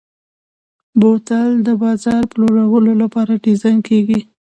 بوتل د بازار پلورلو لپاره ډیزاین کېږي.